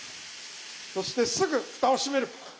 そしてすぐふたを閉める。